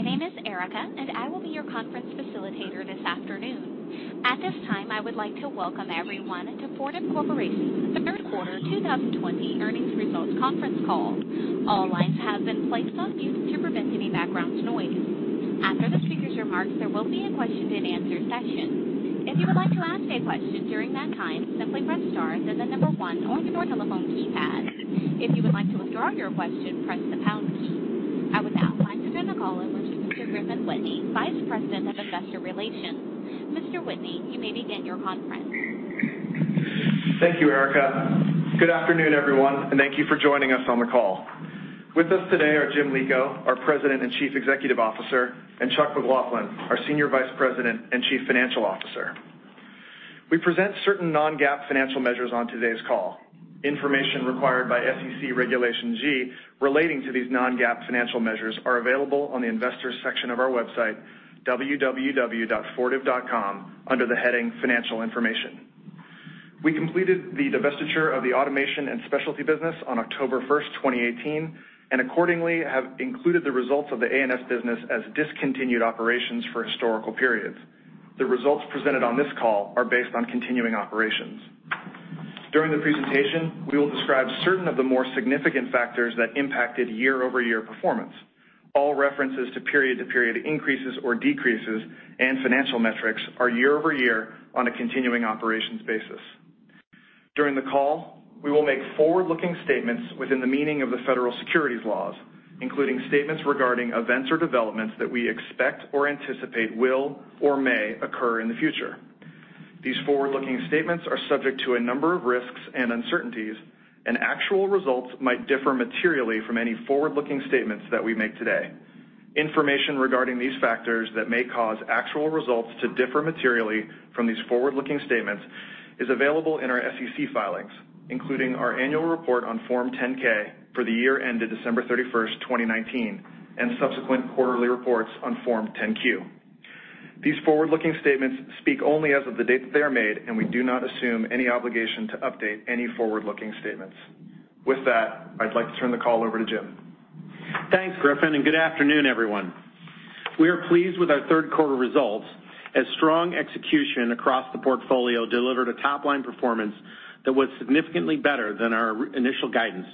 My name is Erica, and I will be your conference facilitator this afternoon. At this time, I would like to welcome everyone to Fortive Corporation's Third Quarter 2020 Earnings Results Conference Call. All lines have been placed on mute to prevent any background noise. After the speakers' remarks, there will be a question-and-answer session. If you would like to ask a question during that time, simply press star, then the number one on your telephone keypad. If you would like to withdraw your question, press the pound key. I would now like to turn the call over to Mr. Griffin Whitney, Vice President of Investor Relations. Mr. Whitney, you may begin your conference. Thank you, Erica. Good afternoon, everyone, and thank you for joining us on the call. With us today are Jim Lico, our President and Chief Executive Officer, and Chuck McLaughlin, our Senior Vice President and Chief Financial Officer. We present certain non-GAAP financial measures on today's call. Information required by SEC Regulation G relating to these non-GAAP financial measures are available on the investors section of our website, www.fortive.com, under the heading Financial Information. We completed the divestiture of the Automation and Specialty business on October 1st, 2018. Accordingly, have included the results of the A&S business as discontinued operations for historical periods. The results presented on this call are based on continuing operations. During the presentation, we will describe certain of the more significant factors that impacted year-over-year performance. All references to period-to-period increases or decreases and financial metrics are year-over-year on a continuing operations basis. During the call, we will make forward-looking statements within the meaning of the federal securities laws, including statements regarding events or developments that we expect or anticipate will or may occur in the future. These forward-looking statements are subject to a number of risks and uncertainties, and actual results might differ materially from any forward-looking statements that we make today. Information regarding these factors that may cause actual results to differ materially from these forward-looking statements is available in our SEC filings, including our annual report on Form 10-K for the year ended December 31st, 2019, and subsequent quarterly reports on Form 10-Q. These forward-looking statements speak only as of the date that they are made, and we do not assume any obligation to update any forward-looking statements. With that, I'd like to turn the call over to Jim. Thanks, Griffin, good afternoon, everyone. We are pleased with our third quarter results, as strong execution across the portfolio delivered a top-line performance that was significantly better than our initial guidance,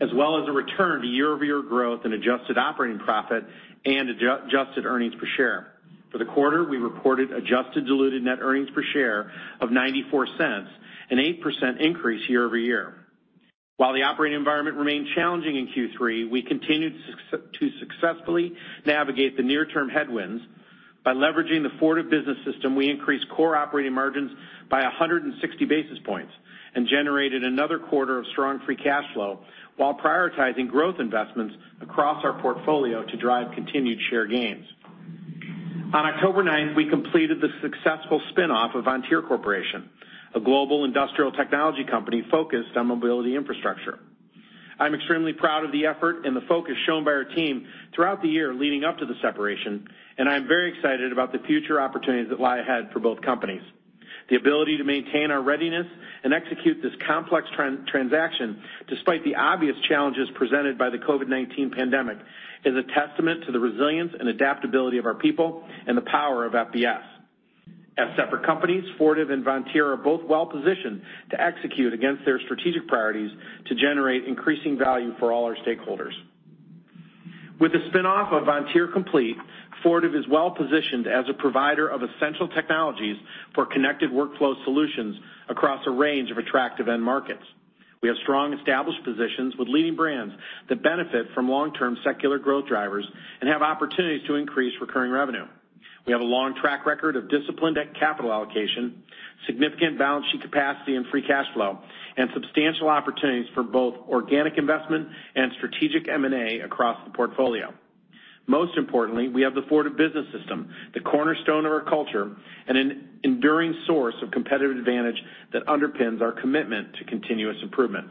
as well as a return to year-over-year growth in adjusted operating profit and adjusted earnings per share. For the quarter, we reported adjusted diluted net earnings per share of $0.94, an 8% increase year-over-year. While the operating environment remained challenging in Q3, we continued to successfully navigate the near-term headwinds. By leveraging the Fortive Business System, we increased core operating margins by 160 basis points and generated another quarter of strong free cash flow while prioritizing growth investments across our portfolio to drive continued share gains. On October 9th, we completed the successful spin-off of Vontier Corporation, a global industrial technology company focused on mobility infrastructure. I'm extremely proud of the effort and the focus shown by our team throughout the year leading up to the separation, and I am very excited about the future opportunities that lie ahead for both companies. The ability to maintain our readiness and execute this complex transaction, despite the obvious challenges presented by the COVID-19 pandemic, is a testament to the resilience and adaptability of our people and the power of FBS. As separate companies, Fortive and Vontier are both well-positioned to execute against their strategic priorities to generate increasing value for all our stakeholders. With the spin-off of Vontier complete, Fortive is well-positioned as a provider of essential technologies for connected workflow solutions across a range of attractive end markets. We have strong established positions with leading brands that benefit from long-term secular growth drivers and have opportunities to increase recurring revenue. We have a long track record of disciplined capital allocation, significant balance sheet capacity and free cash flow, and substantial opportunities for both organic investment and strategic M&A across the portfolio. Most importantly, we have the Fortive Business System, the cornerstone of our culture, and an enduring source of competitive advantage that underpins our commitment to continuous improvement.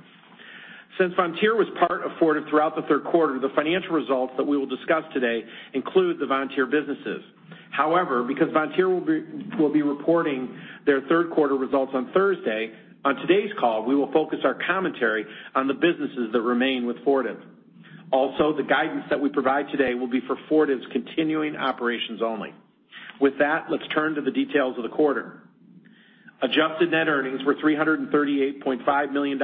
Since Vontier was part of Fortive throughout the third quarter, the financial results that we will discuss today include the Vontier businesses. Because Vontier will be reporting their third quarter results on Thursday, on today's call, we will focus our commentary on the businesses that remain with Fortive. The guidance that we provide today will be for Fortive's continuing operations only. With that, let's turn to the details of the quarter. Adjusted net earnings were $338.5 million,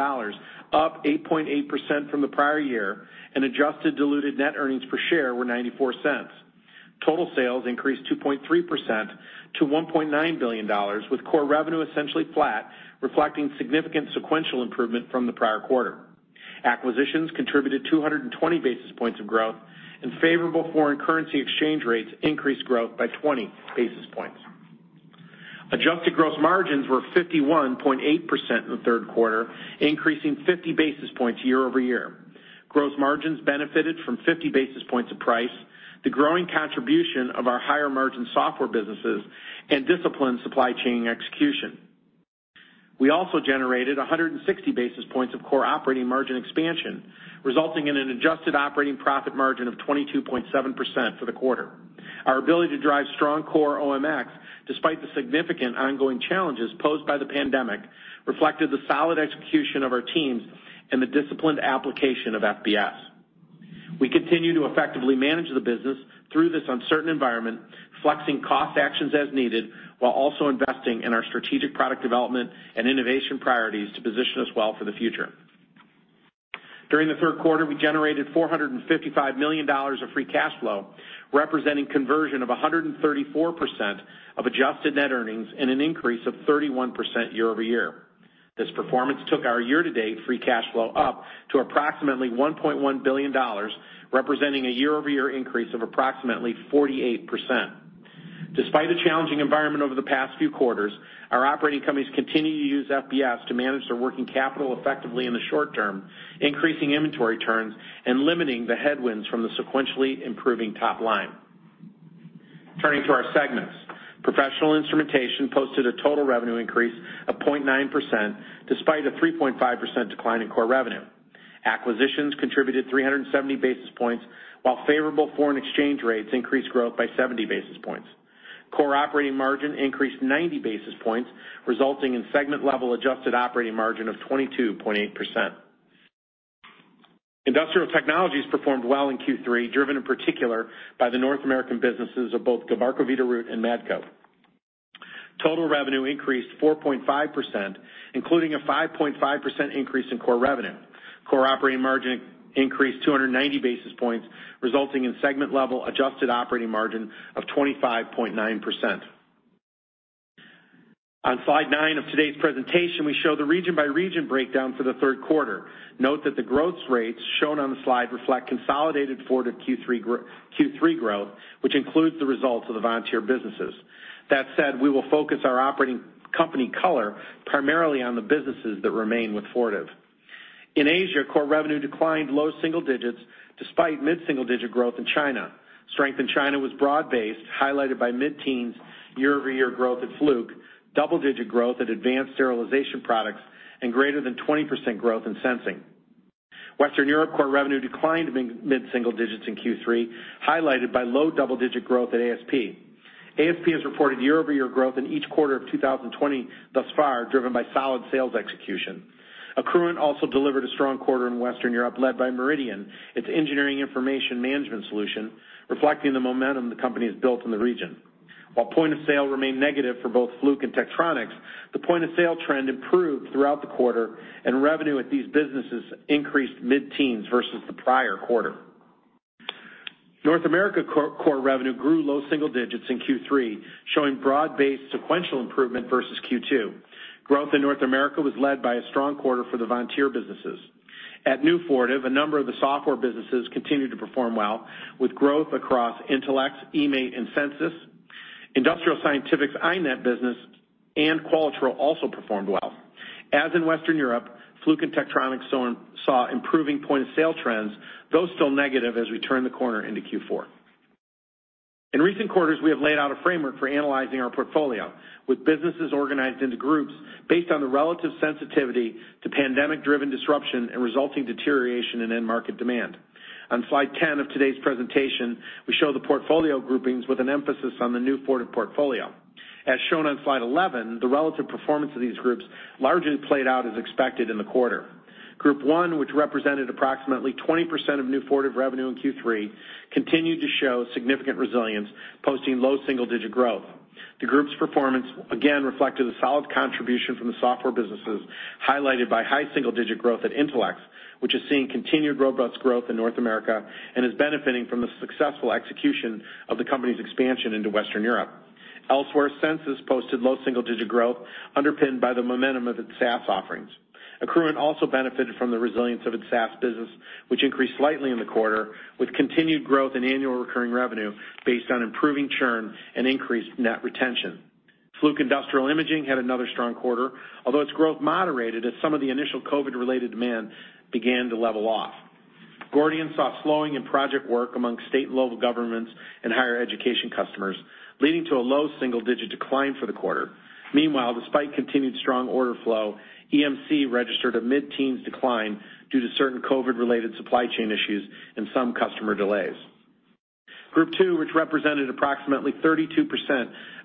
up 8.8% from the prior year, and adjusted diluted net earnings per share were $0.94. Total sales increased 2.3% to $1.9 billion, with core revenue essentially flat, reflecting significant sequential improvement from the prior quarter. Acquisitions contributed 220 basis points of growth, and favorable foreign currency exchange rates increased growth by 20 basis points. Adjusted gross margins were 51.8% in the third quarter, increasing 50 basis points year-over-year. Gross margins benefited from 50 basis points of price, the growing contribution of our higher-margin software businesses, and disciplined supply chain execution. We also generated 160 basis points of core operating margin expansion, resulting in an adjusted operating profit margin of 22.7% for the quarter. Our ability to drive strong core OMX, despite the significant ongoing challenges posed by the pandemic, reflected the solid execution of our teams and the disciplined application of FBS. We continue to effectively manage the business through this uncertain environment, flexing cost actions as needed, while also investing in our strategic product development and innovation priorities to position us well for the future. During the third quarter, we generated $455 million of free cash flow, representing conversion of 134% of adjusted net earnings and an increase of 31% year-over-year. This performance took our year-to-date free cash flow up to approximately $1.1 billion, representing a year-over-year increase of approximately 48%. Despite a challenging environment over the past few quarters, our operating companies continue to use FBS to manage their working capital effectively in the short term, increasing inventory turns and limiting the headwinds from the sequentially improving top line. Turning to our segments. Professional Instrumentation posted a total revenue increase of 0.9%, despite a 3.5% decline in core revenue. Acquisitions contributed 370 basis points, while favorable foreign exchange rates increased growth by 70 basis points. Core operating margin increased 90 basis points, resulting in segment-level adjusted operating margin of 22.8%. Industrial Technologies performed well in Q3, driven in particular by the North American businesses of both Gilbarco Veeder-Root and Matco. Total revenue increased 4.5%, including a 5.5% increase in core revenue. Core operating margin increased 290 basis points, resulting in segment-level adjusted operating margin of 25.9%. On slide nine of today's presentation, we show the region-by-region breakdown for the third quarter. Note that the growth rates shown on the slide reflect consolidated Fortive Q3 growth, which includes the results of the Vontier businesses. That said, we will focus our operating company color primarily on the businesses that remain with Fortive. In Asia, core revenue declined low single digits despite mid-single digit growth in China. Strength in China was broad-based, highlighted by mid-teens year-over-year growth at Fluke, double-digit growth at Advanced Sterilization Products, and greater than 20% growth in sensing. Western Europe core revenue declined mid-single digits in Q3, highlighted by low double-digit growth at ASP. ASP has reported year-over-year growth in each quarter of 2020 thus far, driven by solid sales execution. Accruent also delivered a strong quarter in Western Europe, led by Meridian, its engineering information management solution, reflecting the momentum the company has built in the region. While point-of-sale remained negative for both Fluke and Tektronix, the point-of-sale trend improved throughout the quarter, and revenue at these businesses increased mid-teens versus the prior quarter. North America core revenue grew low single digits in Q3, showing broad-based sequential improvement versus Q2. Growth in North America was led by a strong quarter for the Vontier businesses. At New Fortive, a number of the software businesses continued to perform well, with growth across Intelex, eMaint, and Censis. Industrial Scientific's iNet business and Qualitrol also performed well. In Western Europe, Fluke and Tektronix saw improving point-of-sale trends, though still negative as we turn the corner into Q4. In recent quarters, we have laid out a framework for analyzing our portfolio, with businesses organized into groups based on the relative sensitivity to pandemic-driven disruption and resulting deterioration in end-market demand. On slide 10 of today's presentation, we show the portfolio groupings with an emphasis on the New Fortive portfolio. Shown on slide 11, the relative performance of these groups largely played out as expected in the quarter. Group 1, which represented approximately 20% of New Fortive revenue in Q3, continued to show significant resilience, posting low single-digit growth. The group's performance again reflected a solid contribution from the software businesses, highlighted by high single-digit growth at Intelex, which is seeing continued robust growth in North America and is benefiting from the successful execution of the company's expansion into Western Europe. Elsewhere, Censis posted low single-digit growth underpinned by the momentum of its SaaS offerings. Accruent also benefited from the resilience of its SaaS business, which increased slightly in the quarter, with continued growth in annual recurring revenue based on improving churn and increased net retention. Fluke Industrial Imaging had another strong quarter, although its growth moderated as some of the initial COVID-related demand began to level off. Gordian saw a slowing in project work among state and local governments and higher education customers, leading to a low single-digit decline for the quarter. Meanwhile, despite continued strong order flow, EMC registered a mid-teens decline due to certain COVID-related supply chain issues and some customer delays. Group two, which represented approximately 32%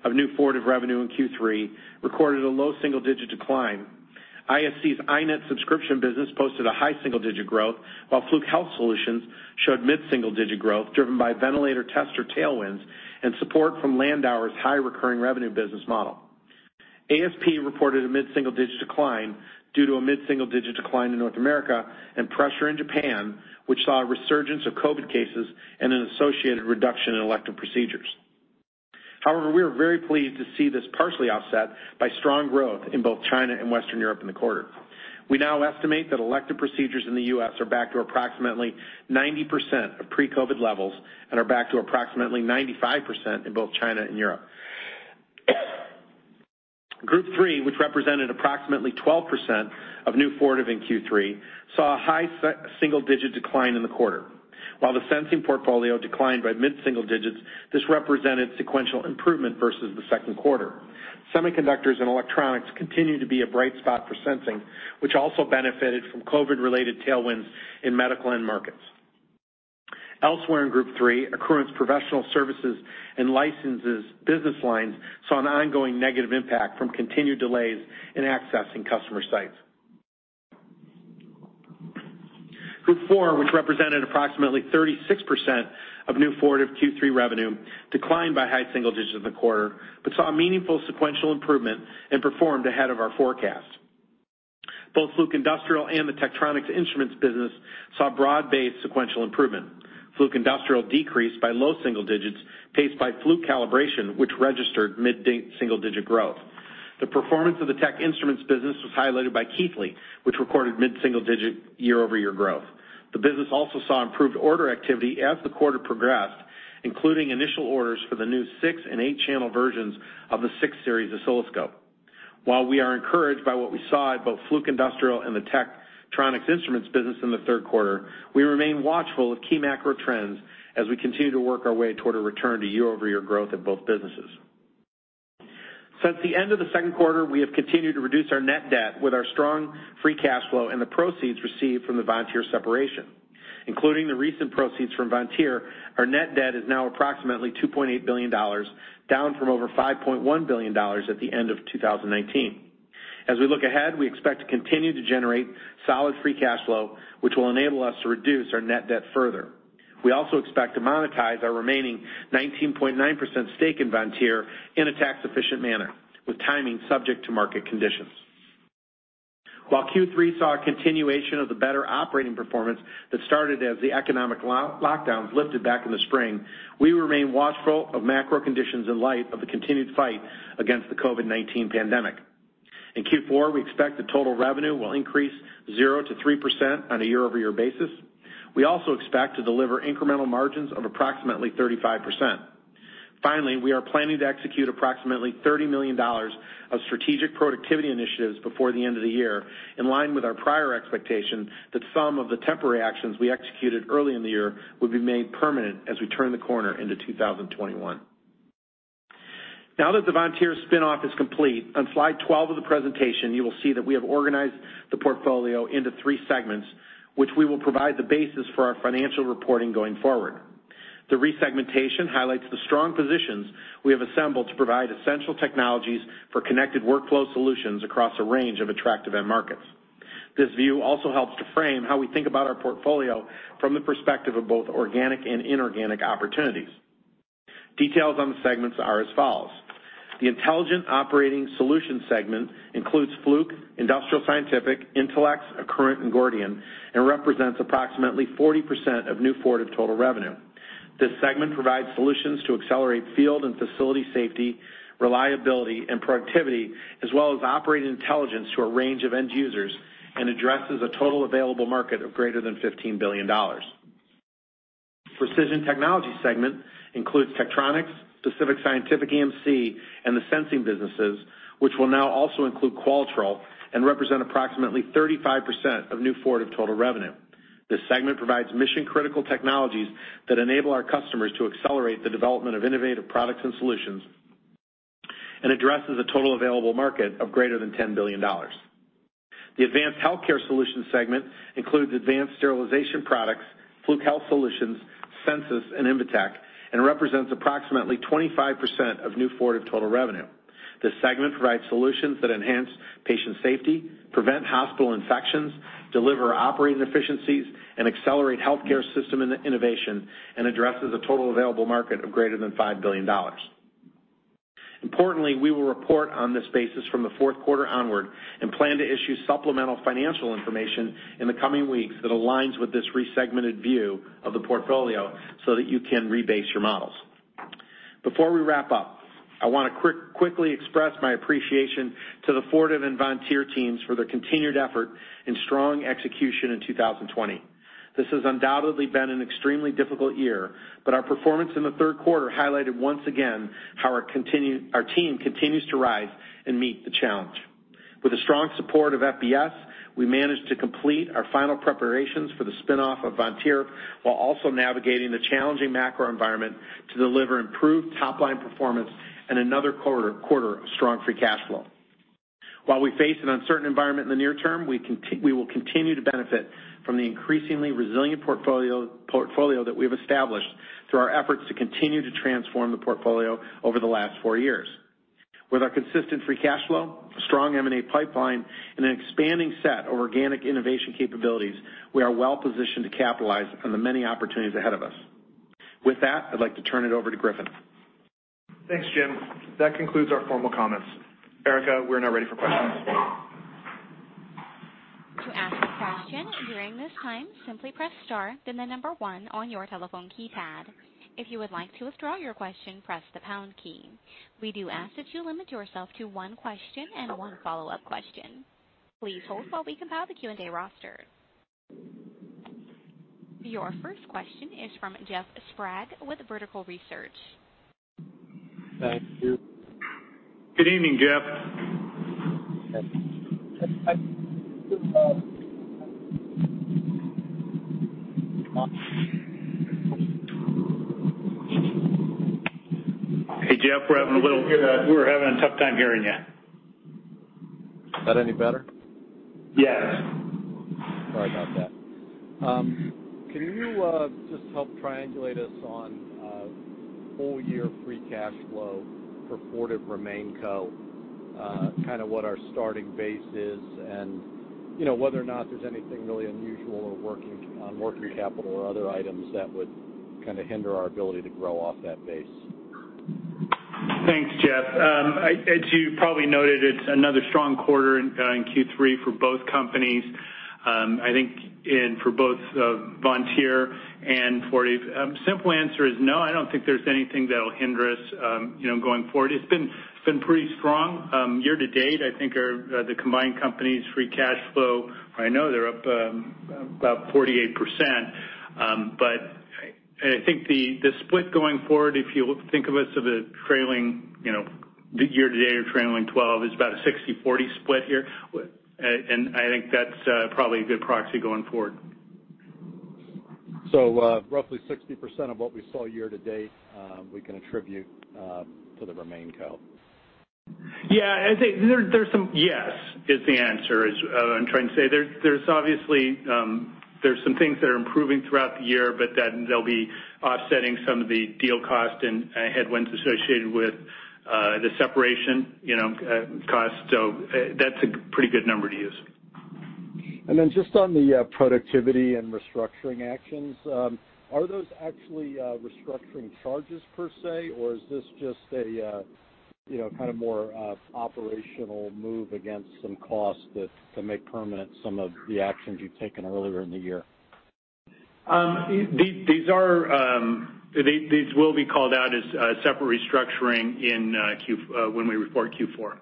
of New Fortive revenue in Q3, recorded a low single-digit decline. ISC's iNet subscription business posted a high single-digit growth, while Fluke Health Solutions showed mid-single digit growth, driven by ventilator tester tailwinds and support from Landauer's high recurring revenue business model. ASP reported a mid-single digit decline due to a mid-single digit decline in North America and pressure in Japan, which saw a resurgence of COVID cases and an associated reduction in elective procedures. We are very pleased to see this partially offset by strong growth in both China and Western Europe in the quarter. We now estimate that elective procedures in the U.S. are back to approximately 90% of pre-COVID levels and are back to approximately 95% in both China and Europe. Group 3, which represented approximately 12% of New Fortive in Q3, saw a high single-digit decline in the quarter. While the sensing portfolio declined by mid-single digits, this represented sequential improvement versus the second quarter. Semiconductors and electronics continue to be a bright spot for sensing, which also benefited from COVID-related tailwinds in medical end markets. Elsewhere in Group 3, Accruent's professional services and licenses business lines saw an ongoing negative impact from continued delays in accessing customer sites. Group 4, which represented approximately 36% of New Fortive Q3 revenue, declined by high single digits in the quarter, but saw a meaningful sequential improvement and performed ahead of our forecast. Both Fluke Industrial and the Tektronix Instruments business saw broad-based sequential improvement. Fluke Industrial decreased by low single digits, paced by Fluke Calibration, which registered mid-single-digit growth. The performance of the Tektronix Instruments business was highlighted by Keithley, which recorded mid-single-digit year-over-year growth. The business also saw improved order activity as the quarter progressed, including initial orders for the new six and eight-channel versions of the 6 Series Oscilloscope. While we are encouraged by what we saw at both Fluke Industrial and the Tektronix Instruments business in the third quarter, we remain watchful of key macro trends as we continue to work our way toward a return to year-over-year growth in both businesses. Since the end of the second quarter, we have continued to reduce our net debt with our strong free cash flow and the proceeds received from the Vontier separation. Including the recent proceeds from Vontier, our net debt is now approximately $2.8 billion, down from over $5.1 billion at the end of 2019. As we look ahead, we expect to continue to generate solid free cash flow, which will enable us to reduce our net debt further. We also expect to monetize our remaining 19.9% stake in Vontier in a tax-efficient manner, with timing subject to market conditions. While Q3 saw a continuation of the better operating performance that started as the economic lockdowns lifted back in the spring, we remain watchful of macro conditions in light of the continued fight against the COVID-19 pandemic. In Q4, we expect that total revenue will increase 0%-3% on a year-over-year basis. We also expect to deliver incremental margins of approximately 35%. Finally, we are planning to execute approximately $30 million of strategic productivity initiatives before the end of the year, in line with our prior expectation that some of the temporary actions we executed early in the year would be made permanent as we turn the corner into 2021. Now that the Vontier spin-off is complete, on slide 12 of the presentation, you will see that we have organized the portfolio into three segments, which we will provide the basis for our financial reporting going forward. The resegmentation highlights the strong positions we have assembled to provide essential technologies for connected workflow solutions across a range of attractive end markets. This view also helps to frame how we think about our portfolio from the perspective of both organic and inorganic opportunities. Details on the segments are as follows. The Intelligent Operating Solutions segment includes Fluke, Industrial Scientific, Intelex, Accruent, and Gordian, and represents approximately 40% of New Fortive total revenue. This segment provides solutions to accelerate field and facility safety, reliability, and productivity, as well as operating intelligence to a range of end users, and addresses a total available market of greater than $15 billion. Precision Technologies segment includes Tektronix, Pacific Scientific EMC, and the sensing businesses, which will now also include Qualitrol, and represent approximately 35% of New Fortive total revenue. This segment provides mission-critical technologies that enable our customers to accelerate the development of innovative products and solutions, and addresses a total available market of greater than $10 billion. The Advanced Healthcare Solutions segment includes Advanced Sterilization Products, Fluke Health Solutions, Censis, and Invetech, and represents approximately 25% of New Fortive total revenue. This segment provides solutions that enhance patient safety, prevent hospital infections, deliver operating efficiencies, and accelerate healthcare system innovation, and addresses a total available market of greater than $5 billion. Importantly, we will report on this basis from the fourth quarter onward, and plan to issue supplemental financial information in the coming weeks that aligns with this resegmented view of the portfolio so that you can rebase your models. Before we wrap up, I want to quickly express my appreciation to the Fortive and Vontier teams for their continued effort and strong execution in 2020. This has undoubtedly been an extremely difficult year, but our performance in the third quarter highlighted once again how our team continues to rise and meet the challenge. With the strong support of FBS, we managed to complete our final preparations for the spin-off of Vontier, while also navigating the challenging macro environment to deliver improved top-line performance and another quarter of strong free cash flow. While we face an uncertain environment in the near term, we will continue to benefit from the increasingly resilient portfolio that we have established through our efforts to continue to transform the portfolio over the last four years. With our consistent free cash flow, a strong M&A pipeline, and an expanding set of organic innovation capabilities, we are well-positioned to capitalize on the many opportunities ahead of us. With that, I'd like to turn it over to Griffin. Thanks, Jim. That concludes our formal comments. Erica, we're now ready for questions. To ask a question during this time, simply press star then the number one on your telephone keypad. If you would like to withdraw your question, press the pound key. You do ask that limit yourself up to one question and one follow-up question. Please, so we can complete the Q&A roster. Your first question is from Jeff Sprague with Vertical Research. Thank you. Good evening, Jeff. Hey, Jeff, we're having a little. Yeah. We're having a tough time hearing you. Is that any better? Yes. Sorry about that. Can you just help triangulate us on full year free cash flow for Fortive RemainCo, kind of what our starting base is and whether or not there's anything really unusual on working capital or other items that would kind of hinder our ability to grow off that base? Thanks, Jeff. As you probably noted, it's another strong quarter in Q3 for both companies, I think, and for both Vontier and Fortive. Simple answer is no, I don't think there's anything that'll hinder us going forward. It's been pretty strong. Year-to-date, I think the combined company's free cash flow, I know they're up about 48%, but I think the split going forward, if you think of us as a trailing, the year-to-date or trailing 12, is about a 60/40 split here. I think that's probably a good proxy going forward. roughly 60% of what we saw year to date, we can attribute to the RemainCo. Yeah. I'd say yes is the answer, is what I'm trying to say. There's obviously some things that are improving throughout the year, but that they'll be offsetting some of the deal cost and headwinds associated with the separation cost. That's a pretty good number to use. Just on the productivity and restructuring actions, are those actually restructuring charges per se, or is this just a kind of more operational move against some costs that may permanent some of the actions you've taken earlier in the year? These will be called out as a separate restructuring when we report Q4.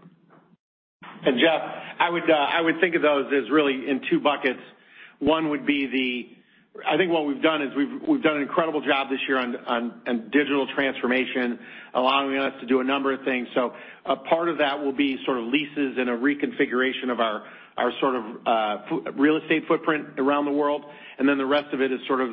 Jeff, I would think of those as really in two buckets. One would be I think what we've done is we've done an incredible job this year on digital transformation, allowing us to do a number of things. A part of that will be sort of leases and a reconfiguration of our sort of real estate footprint around the world. The rest of it is sort of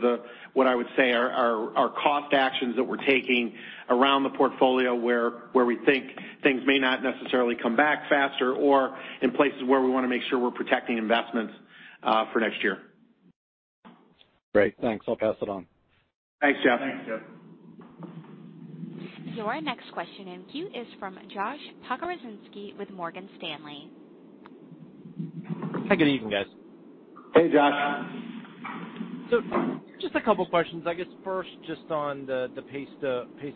what I would say are our cost actions that we're taking around the portfolio where we think things may not necessarily come back faster, or in places where we want to make sure we're protecting investments for next year. Great. Thanks. I'll pass it on. Thanks, Jeff. Thanks, Jeff. Your next question in queue is from Josh Pokrzywinski with Morgan Stanley. Hi, good evening, guys. Hey, Josh. Just a couple questions. I guess first just on the pace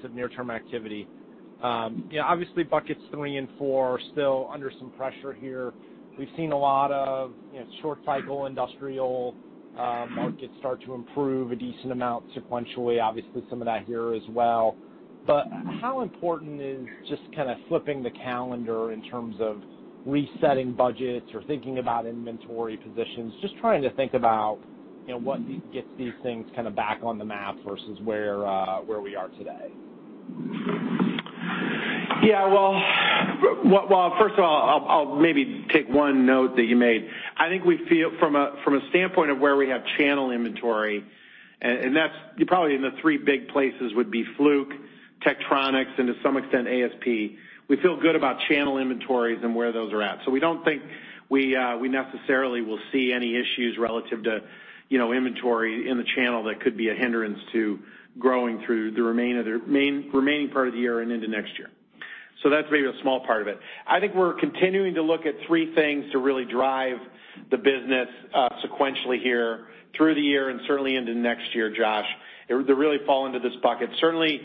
of near-term activity. Obviously buckets three and four are still under some pressure here. We've seen a lot of short cycle industrial markets start to improve a decent amount sequentially, obviously some of that here as well. How important is just kind of flipping the calendar in terms of resetting budgets or thinking about inventory positions? Just trying to think about what gets these things kind of back on the map versus where we are today. Well, first of all, I'll maybe take one note that you made. I think we feel from a standpoint of where we have channel inventory, and probably in the three big places would be Fluke, Tektronix, and to some extent, ASP. We feel good about channel inventories and where those are at. We don't think we necessarily will see any issues relative to inventory in the channel that could be a hindrance to growing through the remaining part of the year and into next year. That's maybe a small part of it. I think we're continuing to look at three things to really drive the business sequentially here through the year and certainly into next year, Josh. They really fall into this bucket. Certainly,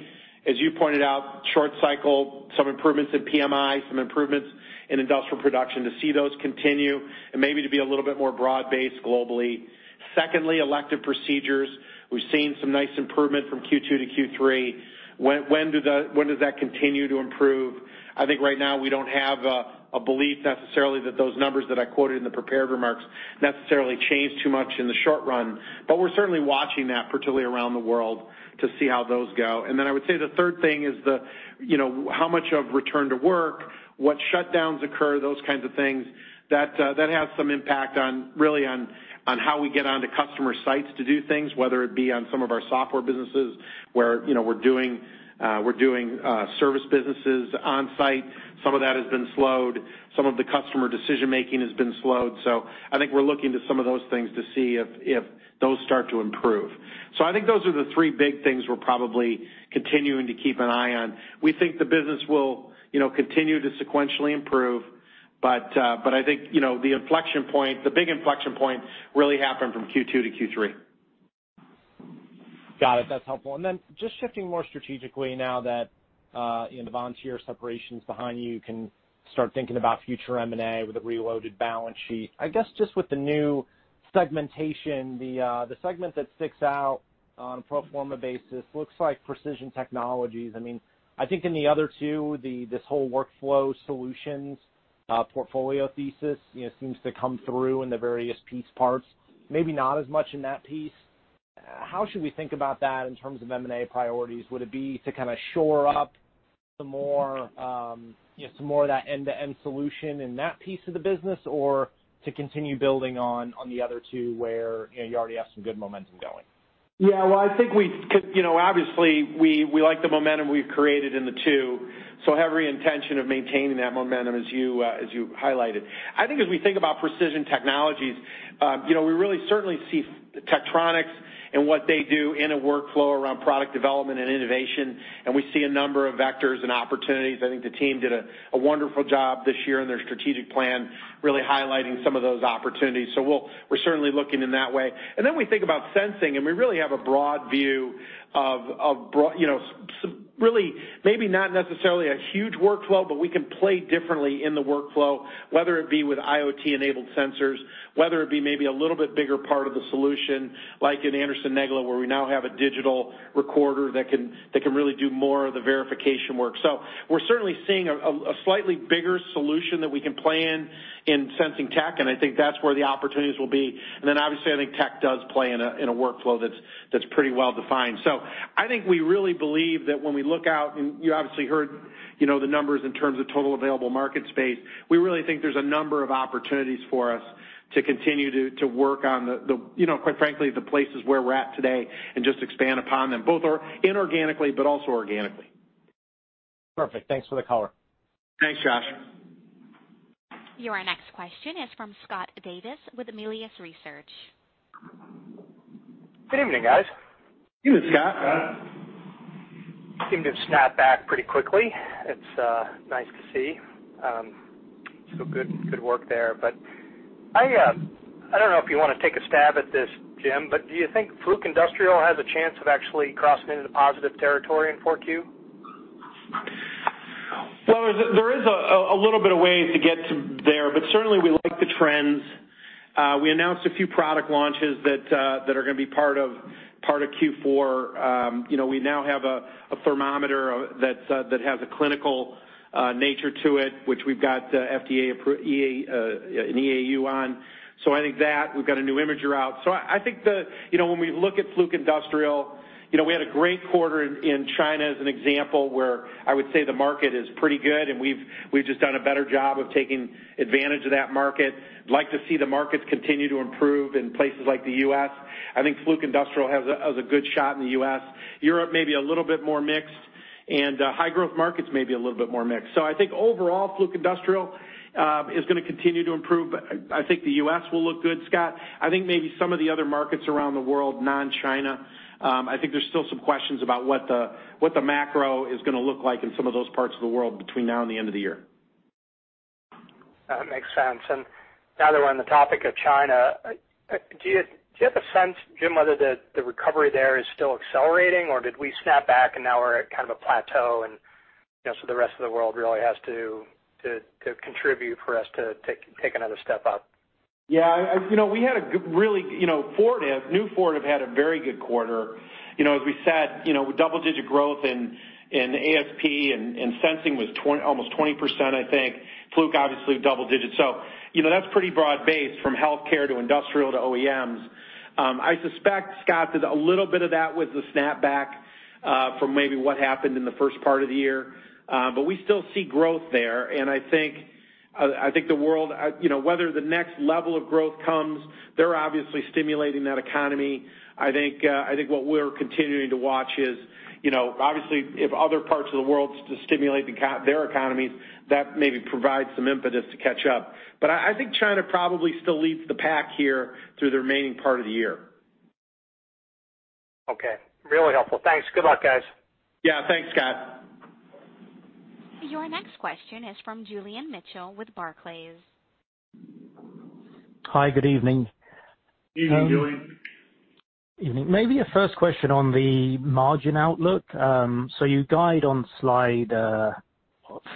as you pointed out, short cycle, some improvements in PMI, some improvements in industrial production. To see those continue, maybe to be a little bit more broad-based globally. Secondly, elective procedures. We've seen some nice improvement from Q2-Q3. When does that continue to improve? I think right now we don't have a belief necessarily that those numbers that I quoted in the prepared remarks necessarily change too much in the short run. We're certainly watching that, particularly around the world, to see how those go. I would say the third thing is how much of return to work, what shutdowns occur, those kinds of things. That has some impact really on how we get onto customer sites to do things, whether it be on some of our software businesses where we're doing service businesses on site. Some of that has been slowed. Some of the customer decision-making has been slowed. I think we're looking to some of those things to see if those start to improve. I think those are the three big things we're probably continuing to keep an eye on. We think the business will continue to sequentially improve, but I think the big inflection point really happened from Q2-Q3. Got it. That's helpful. Then just shifting more strategically now that the Vontier separation's behind you can start thinking about future M&A with a reloaded balance sheet. I guess just with the new segmentation, the segment that sticks out on a pro forma basis looks like Precision Technologies. I think in the other two, this whole workflow solutions portfolio thesis seems to come through in the various piece parts, maybe not as much in that piece. How should we think about that in terms of M&A priorities? Would it be to kind of shore up some more of that end-to-end solution in that piece of the business or to continue building on the other two where you already have some good momentum going? Yeah. Obviously, we like the momentum we've created in the two, so have every intention of maintaining that momentum as you highlighted. I think as we think about Precision Technologies, we really certainly see Tektronix and what they do in a workflow around product development and innovation, and we see a number of vectors and opportunities. I think the team did a wonderful job this year in their strategic plan, really highlighting some of those opportunities. We're certainly looking in that way. Then we think about sensing, and we really have a broad view of really maybe not necessarily a huge workflow, but we can play differently in the workflow, whether it be with IoT-enabled sensors, whether it be maybe a little bit bigger part of the solution, like in Anderson-Negele, where we now have a digital recorder that can really do more of the verification work. We're certainly seeing a slightly bigger solution that we can play in in sensing tech, and I think that's where the opportunities will be. Then, obviously, I think tech does play in a workflow that's pretty well-defined. I think we really believe that when we look out, and you obviously heard the numbers in terms of total available market space, we really think there's a number of opportunities for us to continue to work on the, quite frankly, the places where we're at today and just expand upon them, both inorganically but also organically. Perfect. Thanks for the color. Thanks, Josh. Your next question is from Scott Davis with Melius Research. Good evening, guys. Evening, Scott. Seemed to have snapped back pretty quickly. It's nice to see. Good work there. I don't know if you want to take a stab at this, Jim, but do you think Fluke Industrial has a chance of actually crossing into the positive territory in 4Q? There is a little bit of way to get there, but certainly we like the trends. We announced a few product launches that are going to be part of Q4. We now have a thermometer that has a clinical nature to it, which we've got an EUA on. I think that we've got a new imager out. I think when we look at Fluke Industrial, we had a great quarter in China as an example, where I would say the market is pretty good and we've just done a better job of taking advantage of that market. I'd like to see the markets continue to improve in places like the U.S. I think Fluke Industrial has a good shot in the U.S. Europe may be a little bit more mixed, and high-growth markets may be a little bit more mixed. I think overall, Fluke Industrial is going to continue to improve. I think the U.S. will look good, Scott. I think maybe some of the other markets around the world, non-China, I think there's still some questions about what the macro is going to look like in some of those parts of the world between now and the end of the year. That makes sense. Now that we're on the topic of China, do you have a sense, Jim, whether the recovery there is still accelerating, or did we snap back and now we're at kind of a plateau, and so the rest of the world really has to contribute for us to take another step up? Yeah. Fortive, New Fortive had a very good quarter. As we said, with double-digit growth in ASP and sensing was almost 20%, I think. Fluke, obviously double digits. That's pretty broad-based from healthcare to industrial to OEMs. I suspect, Scott, that a little bit of that was the snapback from maybe what happened in the first part of the year. We still see growth there, and I think the world, whether the next level of growth comes, they're obviously stimulating that economy. I think what we're continuing to watch is, obviously, if other parts of the world stimulate their economies, that maybe provides some impetus to catch up. I think China probably still leads the pack here through the remaining part of the year. Okay. Really helpful. Thanks. Good luck, guys. Yeah. Thanks, Scott. Your next question is from Julian Mitchell with Barclays. Hi. Good evening. Evening, Julian. Evening. Maybe a first question on the margin outlook. You guide on slide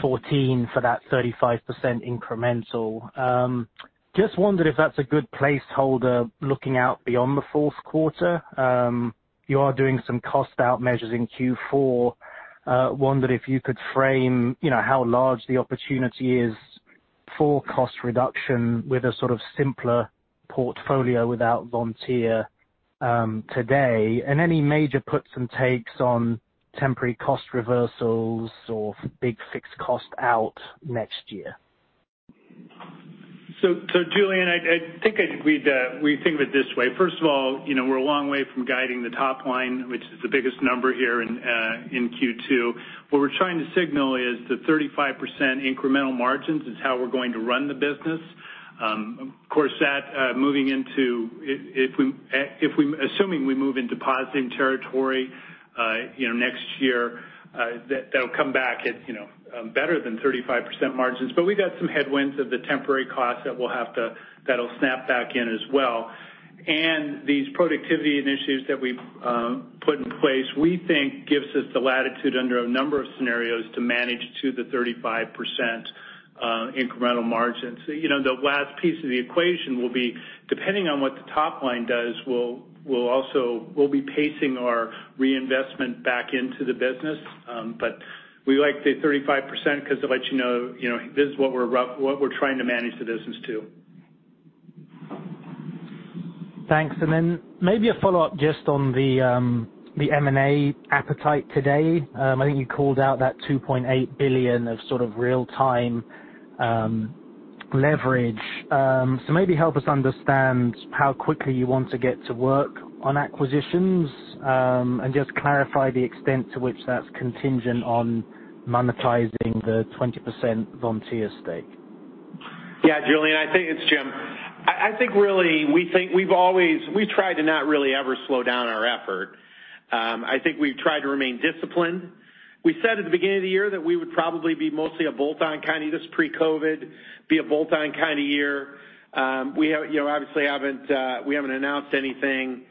14 for that 35% incremental. Just wondered if that's a good placeholder looking out beyond the fourth quarter. You are doing some cost out measures in Q4. Wondered if you could frame how large the opportunity is for cost reduction with a sort of simpler portfolio without Vontier today, and any major puts and takes on temporary cost reversals or big fixed cost out next year. Julian, I think we think of it this way. First of all, we're a long way from guiding the top line, which is the biggest number here in Q2. What we're trying to signal is the 35% incremental margins is how we're going to run the business. Of course, assuming we move into positive territory next year, that'll come back at better than 35% margins. We got some headwinds of the temporary cost that'll snap back in as well. These productivity initiatives that we've put in place, we think gives us the latitude under a number of scenarios to manage to the 35% incremental margins. The last piece of the equation will be, depending on what the top line does, we'll be pacing our reinvestment back into the business. We like the 35% because it lets you know this is what we're trying to manage the business to. Thanks. Maybe a follow-up just on the M&A appetite today. I think you called out that $2.8 billion of sort of real-time leverage. Maybe help us understand how quickly you want to get to work on acquisitions, and just clarify the extent to which that's contingent on monetizing the 20% Vontier stake. Yeah, Julian. I think it's Jim. I think really, we've tried to not really ever slow down our effort. I think we've tried to remain disciplined. We said at the beginning of the year that we would probably be mostly a bolt-on kind of, just pre-COVID, be a bolt-on kind of year. We obviously haven't announced anything.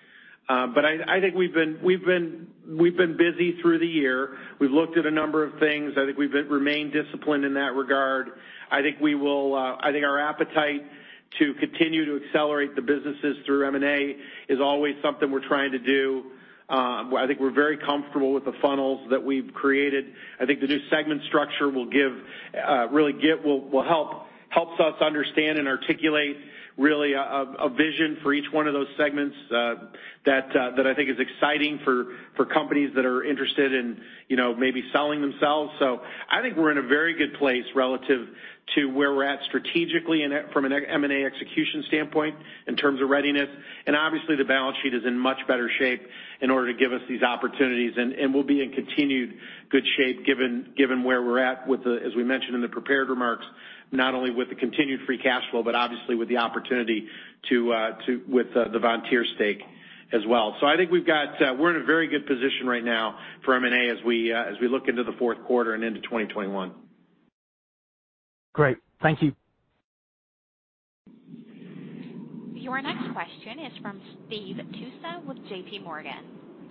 I think we've been busy through the year. We've looked at a number of things. I think we've remained disciplined in that regard. I think our appetite to continue to accelerate the businesses through M&A is always something we're trying to do. I think we're very comfortable with the funnels that we've created. I think the new segment structure will help us understand and articulate really a vision for each one of those segments that I think is exciting for companies that are interested in maybe selling themselves. I think we're in a very good place relative to where we're at strategically and from an M&A execution standpoint in terms of readiness. Obviously, the balance sheet is in much better shape in order to give us these opportunities. We'll be in continued good shape given where we're at with the, as we mentioned in the prepared remarks, not only with the continued free cash flow, but obviously with the opportunity with the Vontier stake as well. I think we're in a very good position right now for M&A as we look into the fourth quarter and into 2021. Great. Thank you. Your next question is from Steve Tusa with JP Morgan.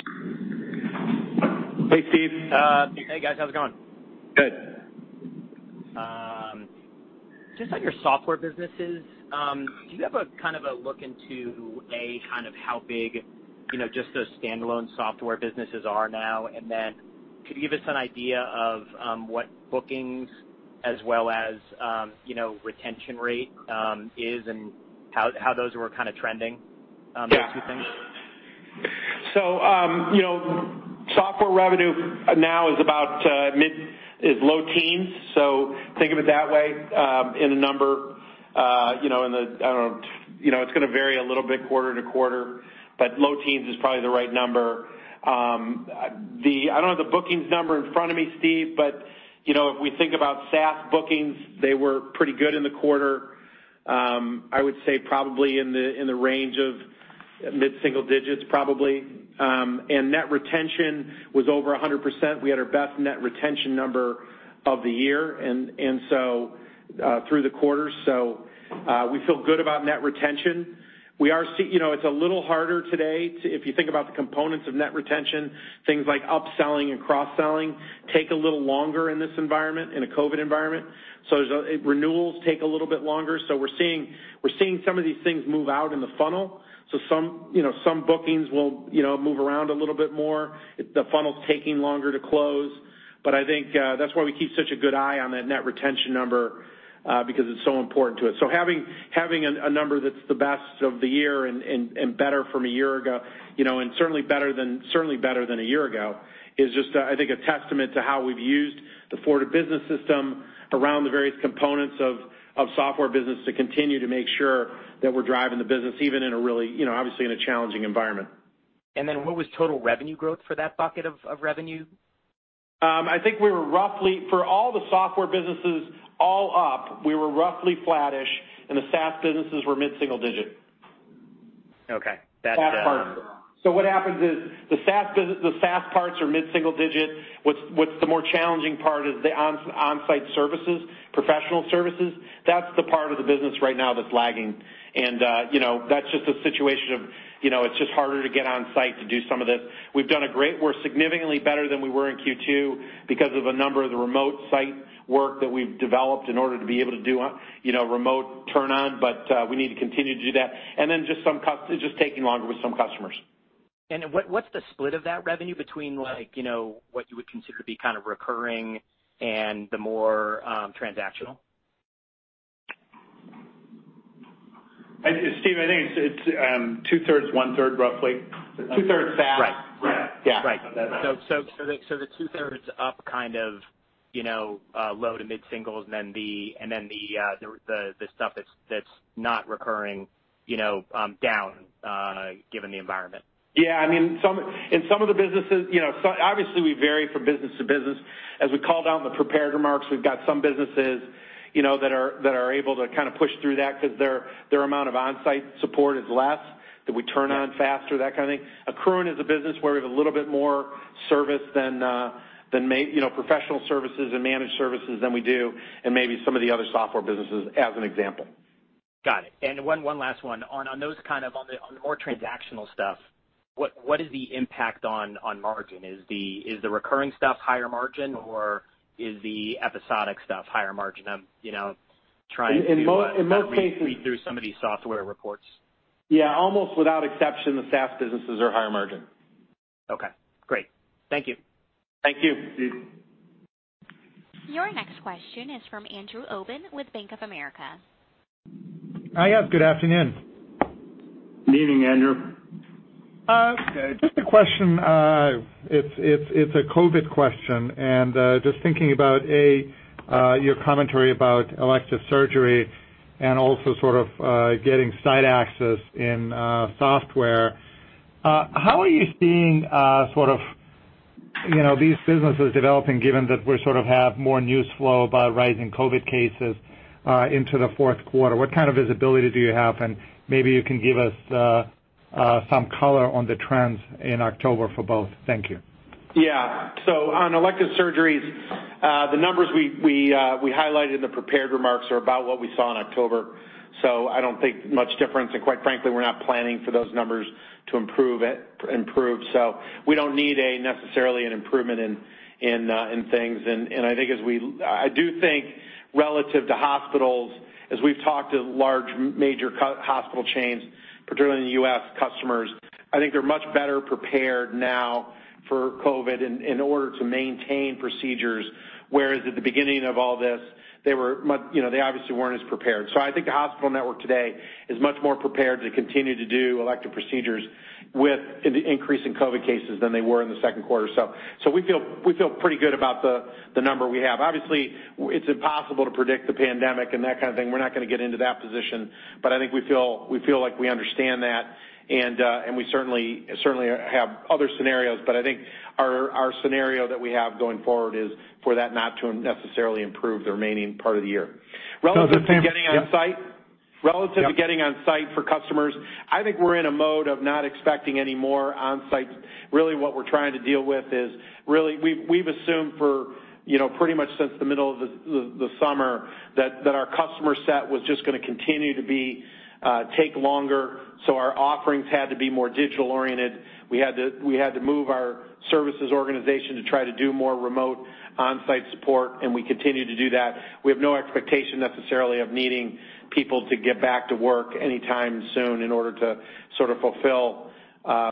Hey, Steve. Hey, guys. How's it going? Good. Just on your software businesses, do you have a kind of a look into, A, kind of how big just those standalone software businesses are now, and then could you give us an idea of what bookings as well as retention rate is and how those were kind of trending? Yeah. those two things? Software revenue now is about low teens, so think of it that way in a number. It's going to vary a little bit quarter-to-quarter, but low teens is probably the right number. I don't have the bookings number in front of me, Steve, but if we think about SaaS bookings, they were pretty good in the quarter. I would say probably in the range of mid-single digits probably. Net retention was over 100%. We had our best net retention number of the year through the quarter. We feel good about net retention. It's a little harder today to, if you think about the components of net retention, things like upselling and cross-selling take a little longer in this environment, in a COVID-19 environment. Renewals take a little bit longer. We're seeing some of these things move out in the funnel. Some bookings will move around a little bit more. The funnel's taking longer to close. I think that's why we keep such a good eye on that net retention number, because it's so important to us. Having a number that's the best of the year and better from a year ago, and certainly better than a year ago, is just, I think, a testament to how we've used the Fortive Business System around the various components of software business to continue to make sure that we're driving the business even in a really, obviously, in a challenging environment. Then what was total revenue growth for that bucket of revenue? I think for all the software businesses, all up, we were roughly flattish, and the SaaS businesses were mid-single digit. Okay. SaaS parts. What happens is the SaaS parts are mid-single digit. What's the more challenging part is the on-site services, professional services. That's the part of the business right now that's lagging. That's just a situation of it's just harder to get on-site to do some of this. We're significantly better than we were in Q2 because of a number of the remote site work that we've developed in order to be able to do remote turn on, but we need to continue to do that. Just taking longer with some customers. What's the split of that revenue between what you would consider to be kind of recurring and the more transactional? Steve, I think it's two-third to one-third, roughly. two-third SaaS. Right. Yeah. Yeah. The two-thirds up kind of low to mid-singles, and then the stuff that's not recurring down, given the environment. Yeah. In some of the businesses-- Obviously we vary from business to business. As we called out in the prepared remarks, we've got some businesses that are able to kind of push through that because their amount of on-site support is less, that we turn on faster, that kind of thing. Accruent is a business where we have a little bit more service than professional services and managed services than we do in maybe some of the other software businesses, as an example. Got it. One last one. On the more transactional stuff, what is the impact on margin? Is the recurring stuff higher margin, or is the episodic stuff higher margin? In most cases. Read through some of these software reports. Yeah. Almost without exception, the SaaS businesses are higher margin. Okay, great. Thank you. Thank you. Your next question is from Andrew Obin with Bank of America. Hi, guys. Good afternoon. Good evening, Andrew. Just a question. It's a COVID-19 question, and just thinking about, A, your commentary about elective surgery and also sort of getting site access in software. How are you seeing these businesses developing, given that we sort of have more news flow about rising COVID-19 cases into the fourth quarter? What kind of visibility do you have? Maybe you can give us some color on the trends in October for both. Thank you. Yeah. On elective surgeries, the numbers we highlighted in the prepared remarks are about what we saw in October. I don't think much difference, and quite frankly, we're not planning for those numbers to improve. We don't need necessarily an improvement in things, and I do think relative to hospitals, as we've talked to large major hospital chains, particularly in the U.S., customers, I think they're much better prepared now for COVID-19 in order to maintain procedures, whereas at the beginning of all this, they obviously weren't as prepared. I think the hospital network today is much more prepared to continue to do elective procedures with the increase in COVID-19 cases than they were in the second quarter. We feel pretty good about the number we have. Obviously, it's impossible to predict the pandemic and that kind of thing. We're not going to get into that position, but I think we feel like we understand that, and we certainly have other scenarios, but I think our scenario that we have going forward is for that not to necessarily improve the remaining part of the year. So-. Relative to getting on-site for customers, I think we're in a mode of not expecting any more on-sites. Really, what we're trying to deal with is, really, we've assumed for pretty much since the middle of the summer that our customer set was just going to continue to take longer, so our offerings had to be more digital-oriented. We had to move our services organization to try to do more remote on-site support, and we continue to do that. We have no expectation necessarily of needing people to get back to work anytime soon in order to fulfill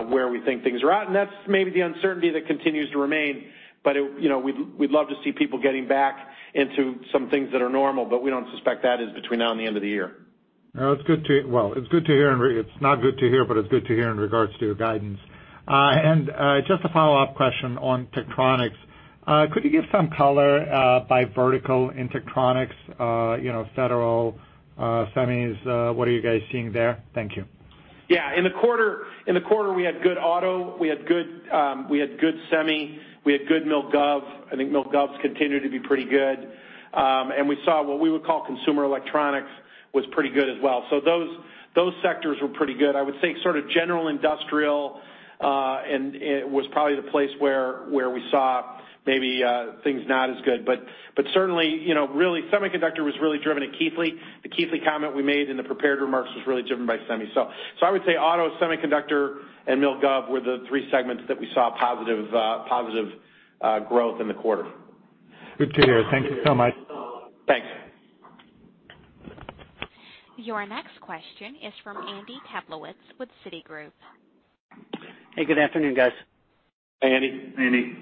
where we think things are at, and that's maybe the uncertainty that continues to remain. We'd love to see people getting back into some things that are normal, but we don't suspect that is between now and the end of the year. No, it's good to hear, and it's not good to hear, but it's good to hear in regards to your guidance. Just a follow-up question on Tektronix. Could you give some color by vertical in Tektronix, federal semis, what are you guys seeing there? Thank you. Yeah. In the quarter, we had good auto, we had good semi, we had good mil gov. I think mil gov's continued to be pretty good. We saw what we would call consumer electronics was pretty good as well. Those sectors were pretty good. I would say sort of general industrial was probably the place where we saw maybe things not as good. Certainly, semiconductor was really driven at Keithley. The Keithley comment we made in the prepared remarks was really driven by semi. I would say auto, semiconductor, and mil gov were the three segments that we saw positive growth in the quarter. Good to hear. Thank you so much. Thanks. Your next question is from Andy Kaplowitz with Citigroup. Hey, good afternoon, guys. Hey, Andy. Hey, Andy.